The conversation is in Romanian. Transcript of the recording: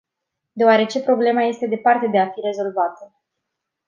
Deoarece problema este departe de a fi rezolvată.